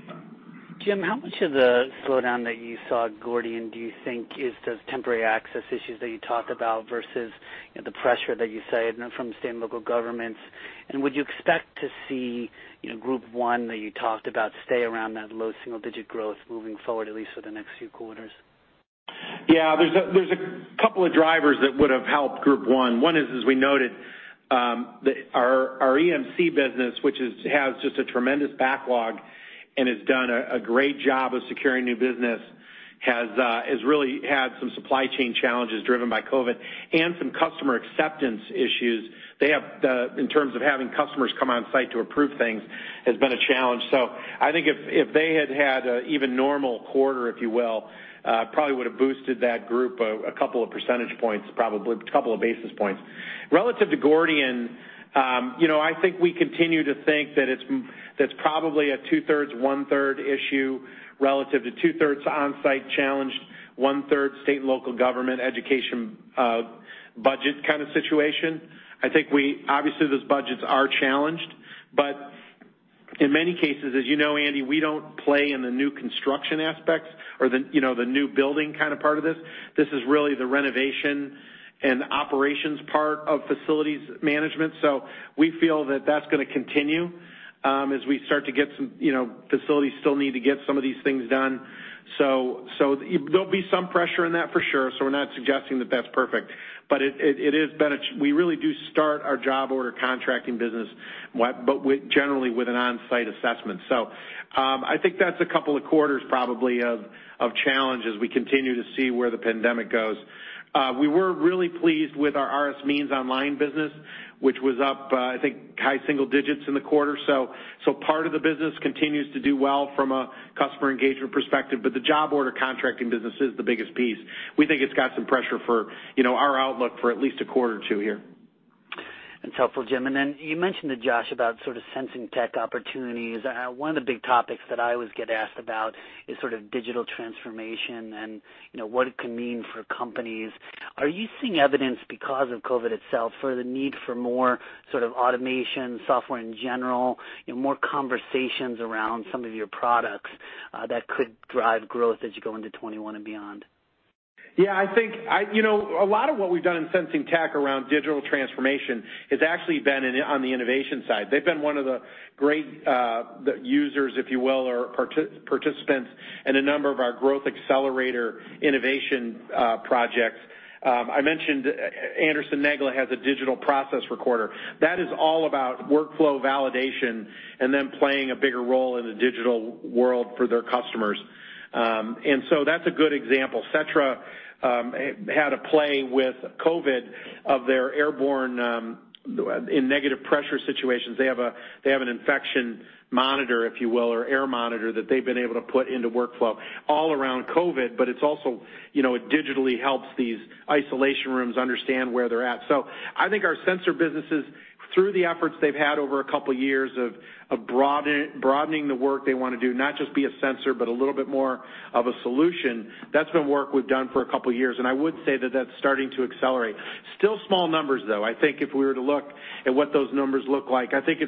Jim, how much of the slowdown that you saw at Gordian do you think is those temporary access issues that you talked about versus the pressure that you said from state and local governments? Would you expect to see Group One that you talked about stay around that low single-digit growth moving forward, at least for the next few quarters? There's a couple of drivers that would've helped Group One. One is, as we noted, our EMC business, which has just a tremendous backlog and has done a great job of securing new business, has really had some supply chain challenges driven by COVID and some customer acceptance issues. In terms of having customers come on-site to approve things has been a challenge. I think if they had had an even normal quarter, if you will, probably would've boosted that group a couple of percentage points, probably a couple of basis points. Relative to Gordian, I think we continue to think that it's probably a two-thirds, one-third issue relative to two-thirds on-site challenged, one-third state and local government education budget kind of situation. I think, obviously, those budgets are challenged, but in many cases, as you know, Andy, we don't play in the new construction aspects or the new building kind of part of this. This is really the renovation and operations part of facilities management. We feel that that's going to continue as facilities still need to get some of these things done. There'll be some pressure in that for sure. We're not suggesting that that's perfect. We really do start our job order contracting business, but generally with an on-site assessment. I think that's a couple of quarters probably of challenge as we continue to see where the pandemic goes. We were really pleased with our RSMeans Online business, which was up, I think, high single digits in the quarter. Part of the business continues to do well from a customer engagement perspective, but the job order contracting business is the biggest piece. We think it's got some pressure for our outlook for at least a quarter or two here. That's helpful, Jim. You mentioned to Josh about sort of sensing tech opportunities. One of the big topics that I always get asked about is sort of digital transformation and what it can mean for companies. Are you seeing evidence because of COVID-19 itself for the need for more sort of automation, software in general, more conversations around some of your products that could drive growth as you go into 2021 and beyond? Yeah, I think a lot of what we've done in sensing tech around digital transformation has actually been on the innovation side. They've been one of the great users, if you will, or participants in a number of our growth accelerator innovation projects. I mentioned Anderson-Negele has a digital process recorder. That is all about workflow validation and them playing a bigger role in the digital world for their customers. That's a good example. Setra had a play with COVID of their airborne, in negative pressure situations, they have an infection monitor, if you will, or air monitor that they've been able to put into workflow all around COVID, but it digitally helps these isolation rooms understand where they're at. I think our sensor businesses, through the efforts they've had over a couple years of broadening the work they want to do, not just be a sensor, but a little bit more of a solution, that's been work we've done for a couple years, and I would say that that's starting to accelerate. Still small numbers, though. I think if we were to look at what those numbers look like, I think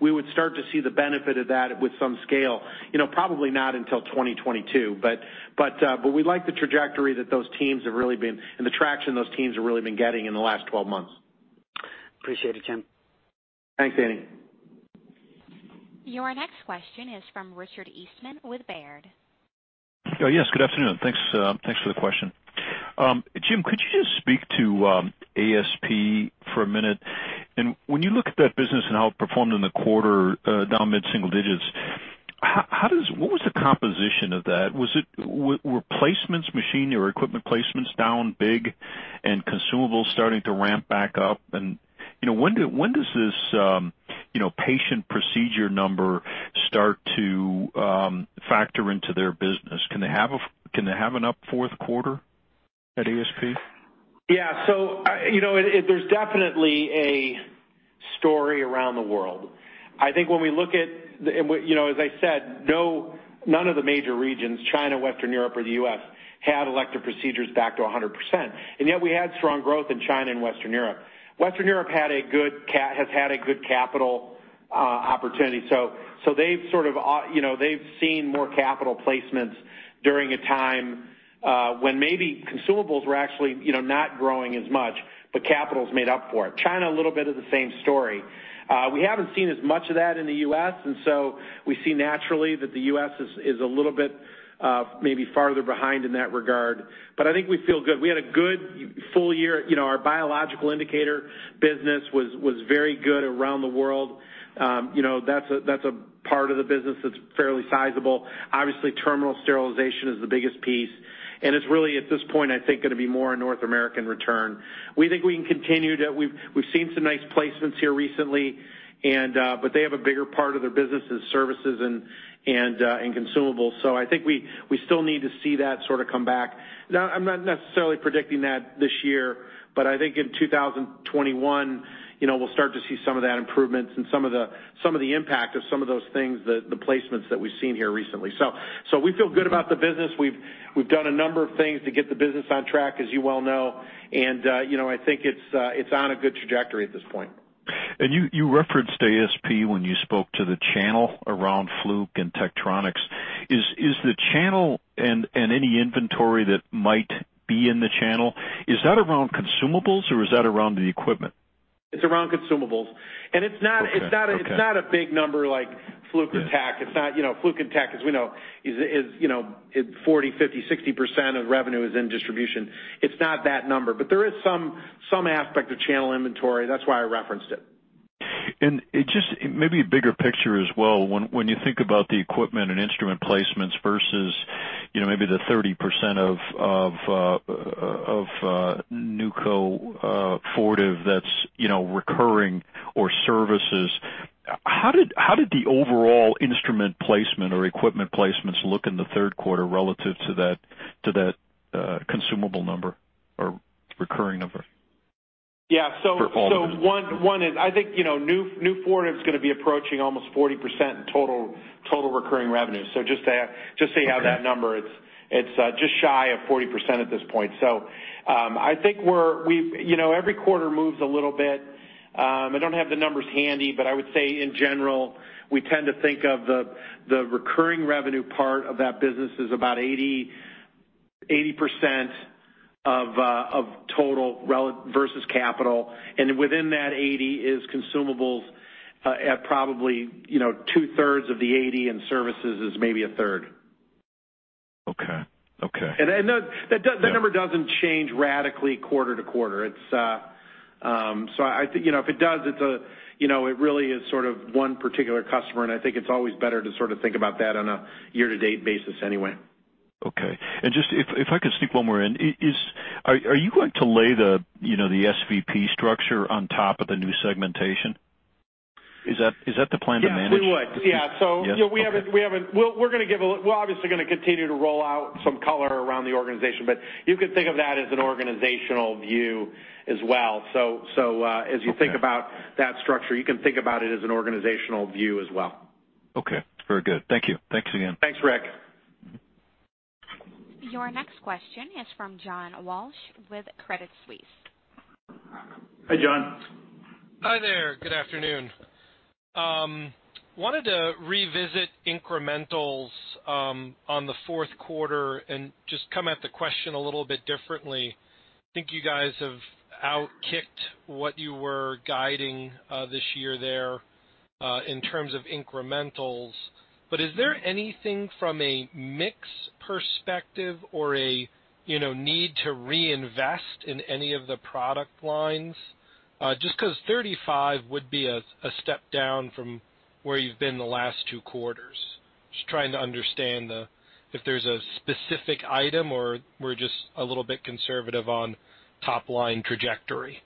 we would start to see the benefit of that with some scale, probably not until 2022, but we like the trajectory that those teams have really been, and the traction those teams have really been getting in the last 12 months. Appreciate it, Jim. Thanks, Andy. Your next question is from Richard Eastman with Baird. Yes, good afternoon. Thanks for the question. Jim, could you just speak to ASP for a minute? When you look at that business and how it performed in the quarter, down mid-single digits, what was the composition of that? Were placements, machine or equipment placements down big and consumables starting to ramp back up? When does this patient procedure number start to factor into their business? Can they have an up fourth quarter at ASP? Yeah. There's definitely a story around the world. I think when we look at, as I said, none of the major regions, China, Western Europe, or the U.S., had elective procedures back to 100%, and yet we had strong growth in China and Western Europe. Western Europe has had a good capital opportunity. They've seen more capital placements during a time when maybe consumables were actually not growing as much, but capital's made up for it. China, a little bit of the same story. We haven't seen as much of that in the U.S., and so we see naturally that the U.S. is a little bit maybe farther behind in that regard. I think we feel good. We had a good full year. Our biological indicator business was very good around the world. That's a part of the business that's fairly sizable. Obviously, terminal sterilization is the biggest piece. It's really, at this point, I think, going to be more a North American return. We think we can continue. We've seen some nice placements here recently. They have a bigger part of their business as services and consumables. I think we still need to see that sort of come back. Now, I'm not necessarily predicting that this year. I think in 2021, we'll start to see some of that improvements and some of the impact of some of those things, the placements that we've seen here recently. We feel good about the business. We've done a number of things to get the business on track, as you well know. I think it's on a good trajectory at this point. You referenced ASP when you spoke to the channel around Fluke and Tektronix. Is the channel and any inventory that might be in the channel, is that around consumables, or is that around the equipment? It's around consumables. Okay. It's not a big number like Fluke and Tek. Fluke and Tek, as we know, 40%, 50%, 60% of revenue is in distribution. It's not that number. There is some aspect of channel inventory. That's why I referenced it. Just maybe a bigger picture as well, when you think about the equipment and instrument placements versus maybe the 30% of New Fortive that's recurring or services, how did the overall instrument placement or equipment placements look in the third quarter relative to that consumable number or recurring number? Yeah. For all the business. I think New Fortive's going to be approaching almost 40% in total recurring revenue. Just so you have that number. Okay. It's just shy of 40% at this point. I think every quarter moves a little bit. I don't have the numbers handy, but I would say in general, we tend to think of the recurring revenue part of that business is about 80% of total versus capital, and within that 80% is consumables at probably two-thirds of the 80%, and services is maybe a third. Okay. That number doesn't change radically quarter-to-quarter. If it does, it really is sort of one particular customer, and I think it's always better to sort of think about that on a year-to-date basis anyway. Okay. Just, if I could sneak one more in. Are you going to lay the SVP structure on top of the new segmentation? Is that the plan to manage? Yeah, we would. Yeah. Yeah? Okay. We're obviously going to continue to roll out some color around the organization, but you could think of that as an organizational view as well. Okay. As you think about that structure, you can think about it as an organizational view as well. Okay. Very good. Thank you. Thanks again. Thanks, Rick. Your next question is from John Walsh with Credit Suisse. Hi, John. Hi there. Good afternoon. Wanted to revisit incrementals on the fourth quarter and just come at the question a little bit differently. Think you guys have out-kicked what you were guiding this year there, in terms of incrementals. Is there anything from a mix perspective or a need to reinvest in any of the product lines? Just because 35% would be a step down from where you've been the last two quarters. Just trying to understand if there's a specific item or we're just a little bit conservative on top line trajectory.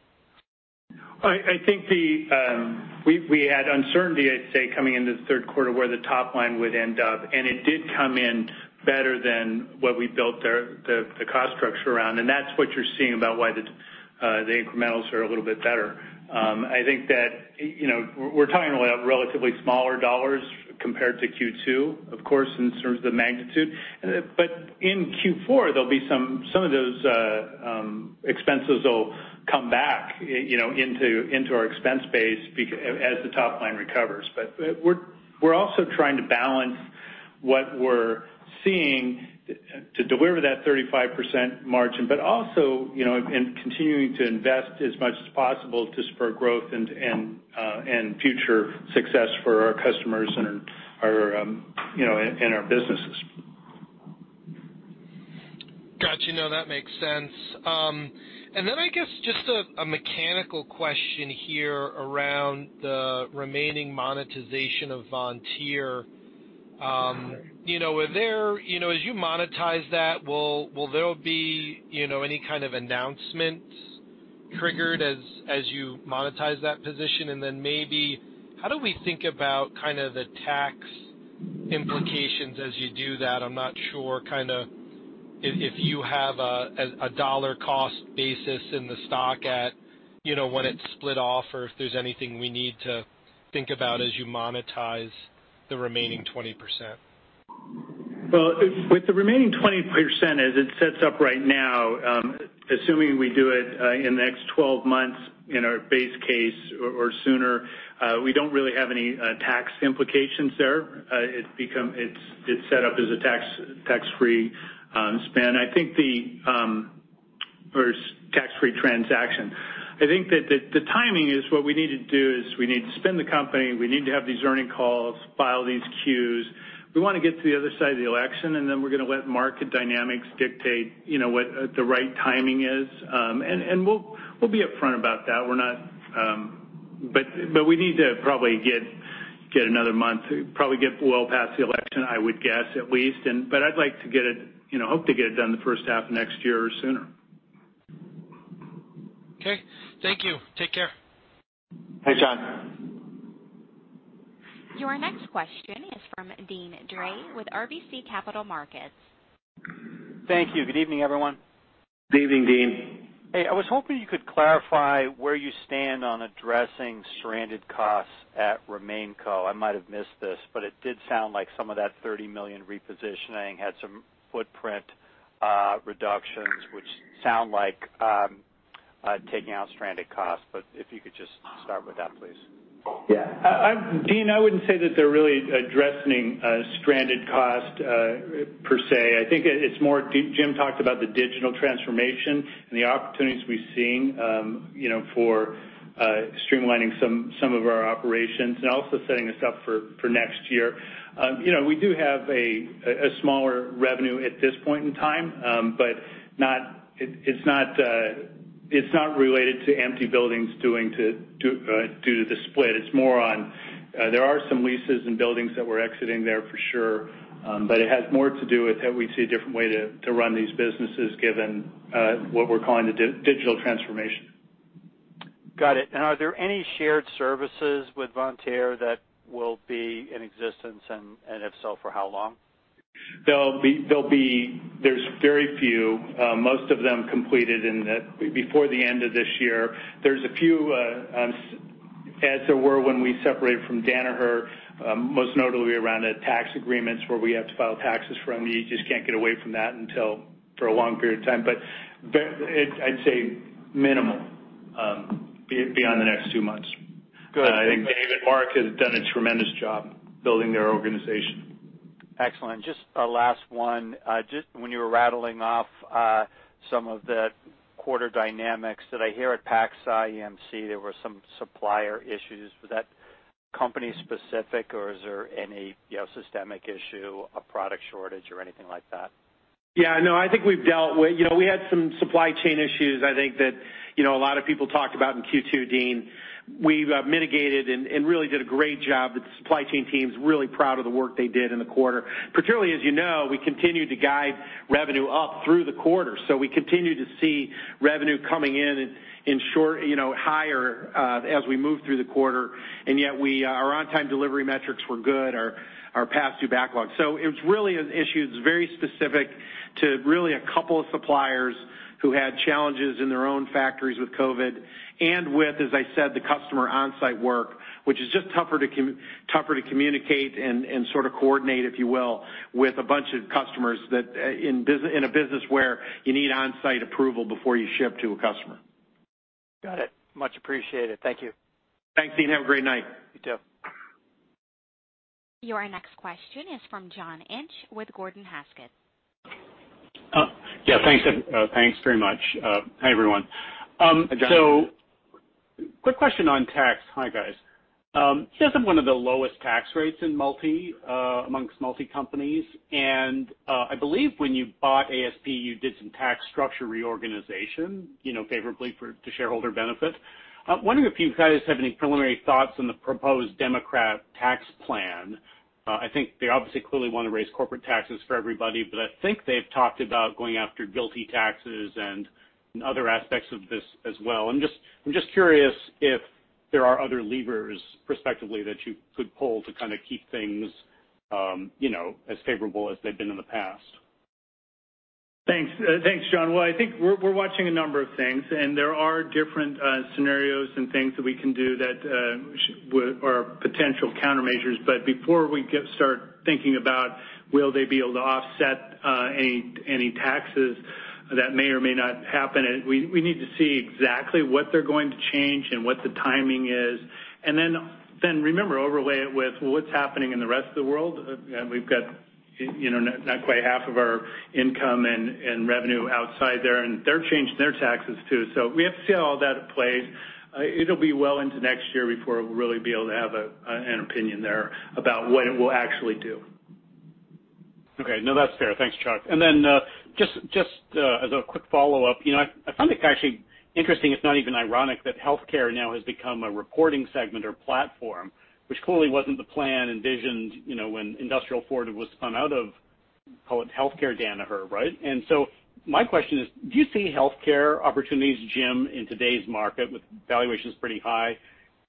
I think we had uncertainty, I'd say, coming into the third quarter where the top line would end up, and it did come in better than what we built the cost structure around, and that's what you're seeing about why the incrementals are a little bit better. I think that we're talking about relatively smaller dollars compared to Q2, of course, in terms of the magnitude. In Q4, some of those expenses will come back into our expense base as the top line recovers. We're also trying to balance what we're seeing to deliver that 35% margin, but also in continuing to invest as much as possible to spur growth and future success for our customers and our businesses. Got you. No, that makes sense. I guess just a mechanical question here around the remaining monetization of Vontier. As you monetize that, will there be any kind of announcements triggered as you monetize that position? Maybe how do we think about the tax implications as you do that? I'm not sure if you have a dollar cost basis in the stock at when it is split off or if there is anything we need to think about as you monetize the remaining 20%. Well, with the remaining 20%, as it sets up right now, assuming we do it in the next 12 months in our base case or sooner, we don't really have any tax implications there. It's set up as a tax-free spin. Or tax-free transaction. I think that the timing is what we need to do is we need to spin the company, we need to have these earnings calls, file these Qs. We want to get to the other side of the election, then we're going to let market dynamics dictate what the right timing is. We'll be upfront about that. We need to probably get another month, probably get well past the election, I would guess, at least. I'd hope to get it done the first half of next year or sooner. Okay. Thank you. Take care. Bye, John. Your next question is from Deane Dray with RBC Capital Markets. Thank you. Good evening, everyone. Good evening, Deane. Hey, I was hoping you could clarify where you stand on addressing stranded costs at Remainco. I might have missed this, it did sound like some of that $30 million repositioning had some footprint reductions, which sound like taking out stranded costs. If you could just start with that, please. Yeah. Deane, I wouldn't say that they're really addressing stranded cost per se. I think it's more Jim talked about the digital transformation and the opportunities we've seen for streamlining some of our operations and also setting us up for next year. We do have a smaller revenue at this point in time, but it's not related to empty buildings due to the split. There are some leases and buildings that we're exiting there for sure. It has more to do with that we see a different way to run these businesses given what we're calling the digital transformation. Got it. Are there any shared services with Vontier that will be in existence? If so, for how long? There's very few, most of them completed before the end of this year. There's a few, as there were when we separated from Danaher, most notably around the tax agreements where we have to file taxes from you. You just can't get away from that for a long period of time. I'd say minimal beyond the next two months. Good. David and Mark have done a tremendous job building their organization. Excellent. Just a last one. When you were rattling off some of the quarter dynamics, did I hear at PacSci EMC, there were some supplier issues? Was that company specific or is there any systemic issue, a product shortage or anything like that? Yeah, no, I think we had some supply chain issues I think that a lot of people talked about in Q2, Deane. We've mitigated and really did a great job with the supply chain teams, really proud of the work they did in the quarter. Particularly, as you know, we continued to guide revenue up through the quarter. We continued to see revenue coming in higher as we moved through the quarter. Yet our on-time delivery metrics were good, our past due backlog. It was really an issue that's very specific to really a couple of suppliers who had challenges in their own factories with COVID-19 and with, as I said, the customer on-site work, which is just tougher to communicate and sort of coordinate, if you will, with a bunch of customers in a business where you need on-site approval before you ship to a customer. Got it. Much appreciated. Thank you. Thanks, Deane. Have a great night. You too. Your next question is from John Inch with Gordon Haskett. Yeah. Thanks very much. Hi, everyone. Hi, John. Quick question on tax. Hi, guys. You guys have one of the lowest tax rates amongst multi-companies, and I believe when you bought ASP, you did some tax structure reorganization favorably to shareholder benefit. I'm wondering if you guys have any preliminary thoughts on the proposed Democrat tax plan. I think they obviously clearly want to raise corporate taxes for everybody, but I think they've talked about going after GILTI taxes and other aspects of this as well. I'm just curious if there are other levers perspectively that you could pull to kind of keep things as favorable as they've been in the past. Thanks, John. Well, I think we're watching a number of things, and there are different scenarios and things that we can do that are potential countermeasures. Before we start thinking about will they be able to offset any taxes, that may or may not happen, we need to see exactly what they're going to change and what the timing is. Remember, overlay it with what's happening in the rest of the world. We've got not quite half of our income and revenue outside there, and they're changing their taxes, too. We have to see how all that plays. It'll be well into next year before we'll really be able to have an opinion there about what it will actually do. Okay. No, that's fair. Thanks, Chuck. Just as a quick follow-up, I find it actually interesting, if not even ironic, that healthcare now has become a reporting segment or platform, which clearly wasn't the plan envisioned when industrial Fortive was spun out of, call it healthcare Danaher, right? My question is, do you see healthcare opportunities, Jim, in today's market with valuations pretty high?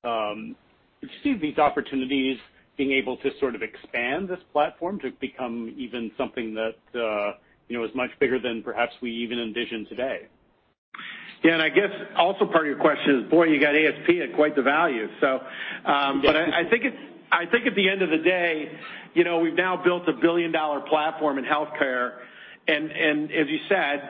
Do you see these opportunities being able to sort of expand this platform to become even something that is much bigger than perhaps we even envision today? Yeah, I guess also part of your question is, boy, you got ASP at quite the value. Indeed. I think at the end of the day, we've now built a billion-dollar platform in healthcare, as you said,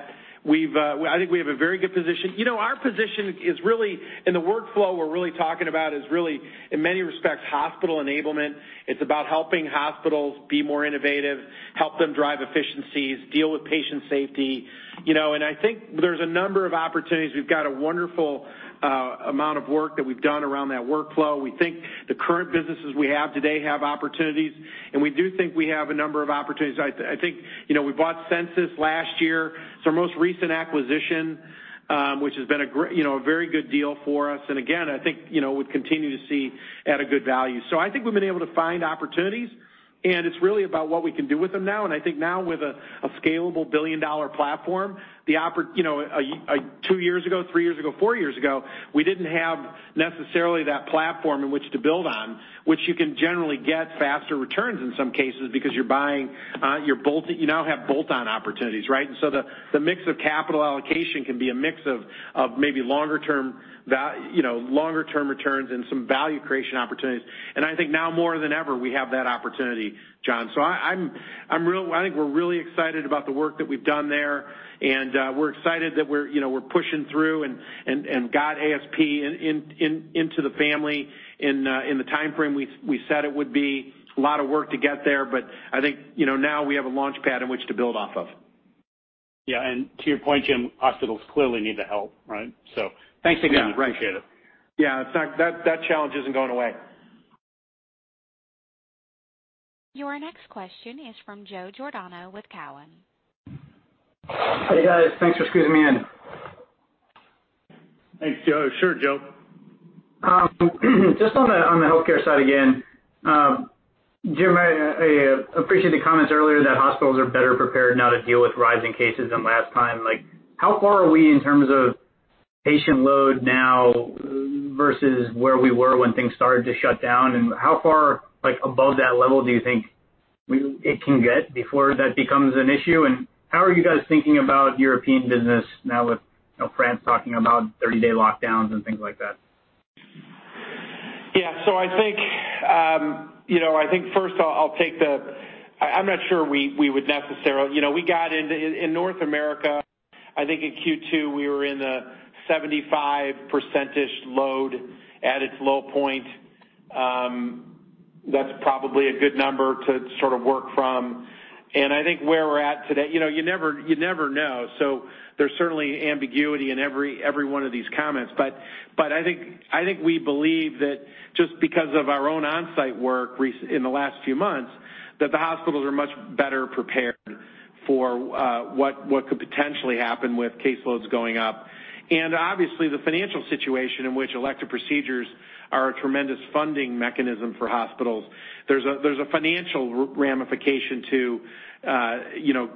I think we have a very good position. Our position is really, in the workflow we're really talking about, is really, in many respects, hospital enablement. It's about helping hospitals be more innovative, help them drive efficiencies, deal with patient safety. I think there's a number of opportunities. We've got a wonderful amount of work that we've done around that workflow. We think the current businesses we have today have opportunities, we do think we have a number of opportunities. I think we bought Censis last year. It's our most recent acquisition, which has been a very good deal for us. again, I think we continue to see at a good value. I think we've been able to find opportunities, and it's really about what we can do with them now, and I think now with a scalable $1 billion platform. Two years ago, three years ago, four years ago, we didn't have necessarily that platform in which to build on, which you can generally get faster returns in some cases because you now have bolt-on opportunities, right? The mix of capital allocation can be a mix of maybe longer-term returns and some value creation opportunities. I think now more than ever, we have that opportunity, John. I think we're really excited about the work that we've done there, and we're excited that we're pushing through and got ASP into the family in the timeframe we said it would be. A lot of work to get there, but I think now we have a launchpad in which to build off of. Yeah. To your point, Jim, hospitals clearly need the help, right? Thanks again. Yeah, right. Appreciate it. Yeah. In fact, that challenge isn't going away. Your next question is from Joe Giordano with Cowen. Hi, guys. Thanks for squeezing me in. Thanks, Joe. Sure, Joe. Just on the healthcare side again. Jim, I appreciate the comments earlier that hospitals are better prepared now to deal with rising cases than last time. How far are we in terms of patient load now versus where we were when things started to shut down, and how far above that level do you think it can get before that becomes an issue? How are you guys thinking about European business now with France talking about 30-day lockdowns and things like that? Yeah. First, in North America, I think in Q2, we were in the 75%-ish load at its low point. That's probably a good number to sort of work from. I think where we're at today, you never know. There's certainly ambiguity in every one of these comments. I think we believe that just because of our own onsite work in the last few months, that the hospitals are much better prepared for what could potentially happen with caseloads going up. Obviously, the financial situation in which elective procedures are a tremendous funding mechanism for hospitals. There's a financial ramification to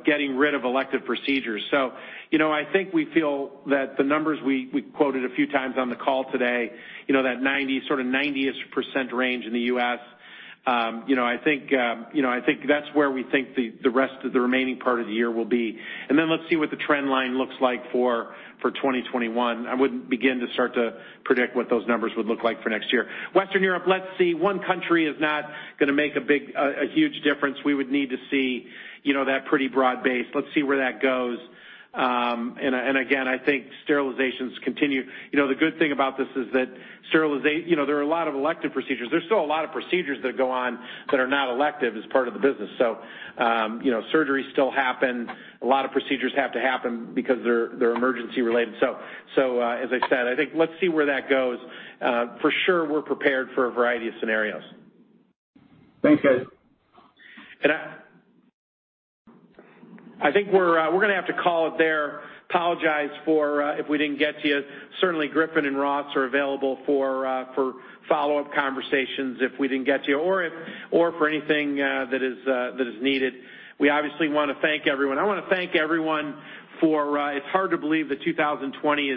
getting rid of elective procedures. I think we feel that the numbers we quoted a few times on the call today, that sort of 90%-ish range in the U.S., I think that's where we think the remaining part of the year will be. Let's see what the trend line looks like for 2021. I wouldn't begin to start to predict what those numbers would look like for next year. Western Europe, let's see. One country is not going to make a huge difference. We would need to see that pretty broad base. Let's see where that goes. I think sterilizations continue. The good thing about this is that there are a lot of elective procedures. There's still a lot of procedures that go on that are not elective as part of the business. Surgeries still happen. A lot of procedures have to happen because they're emergency related. As I said, I think let's see where that goes. For sure, we're prepared for a variety of scenarios. Thanks, guys. I think we're going to have to call it there. Apologize if we didn't get to you. Certainly, Griffin and Ross are available for follow-up conversations if we didn't get to you or for anything that is needed. We obviously want to thank everyone. I want to thank everyone. It's hard to believe that 2020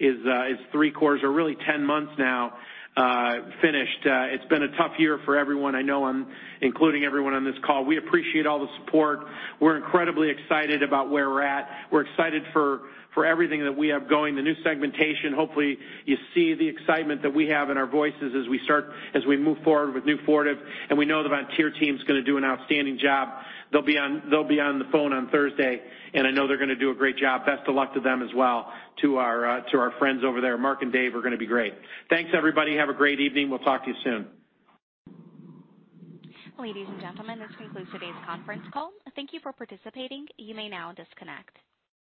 is three quarters, or really 10 months now, finished. It's been a tough year for everyone. I know I'm including everyone on this call. We appreciate all the support. We're incredibly excited about where we're at. We're excited for everything that we have going. The new segmentation. Hopefully, you see the excitement that we have in our voices as we move forward with New Fortive, and we know the Vontier team's going to do an outstanding job. They'll be on the phone on Thursday, and I know they're going to do a great job. Best of luck to them as well, to our friends over there. Mark and Dave are going to be great. Thanks, everybody. Have a great evening. We'll talk to you soon. Ladies and gentlemen, this concludes today's conference call. Thank you for participating. You may now disconnect.